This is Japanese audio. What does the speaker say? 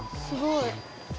すごい。